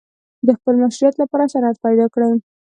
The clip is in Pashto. د خپل مشروعیت لپاره سند پیدا کړي.